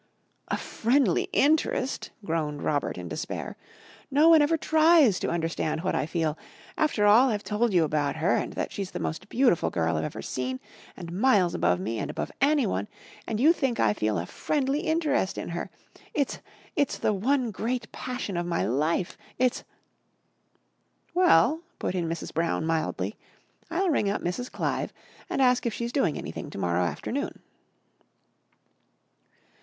"'A friendly interest'!" groaned Robert in despair. "No one ever tries to understand what I feel. After all I've told you about her and that she's the most beautiful girl I've ever seen and miles above me and above anyone and you think I feel a 'friendly interest' in her. It's it's the one great passion of my life! It's " "Well," put in Mrs. Brown mildly, "I'll ring up Mrs. Clive and ask if she's doing anything to morrow afternoon."